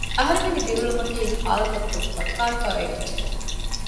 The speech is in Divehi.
އަހަރެމެންގެ ދިރިއުޅުމަކީ ހާލަތަށް ފުދި ފައްކާވެފައި އޮތް އެއްޗެއް